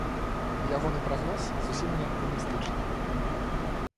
Ягоны прагноз зусім не аптымістычны.